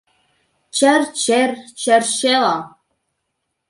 Чер-чер-черчело